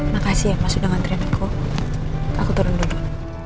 makasih ya mas udah ngantri miko aku turun dulu